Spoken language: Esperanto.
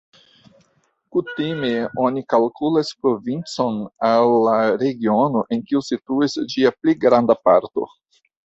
Kutime oni kalkulas provincon al la regiono, en kiu situas ĝia pli granda parto.